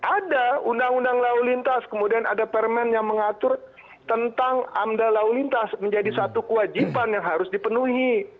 ada undang undang lawintas kemudian ada permen yang mengatur tentang amda lawintas menjadi satu kewajiban yang harus dipenuhi